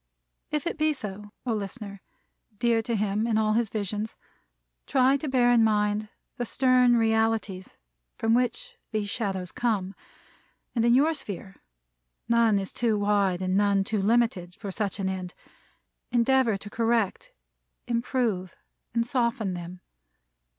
If it be so, O listener, dear to him in all his visions, try to bear in mind the stern realities from which these shadows come; and in your sphere none is too wide and none too limited for such an end endeavor to correct, improve and soften them.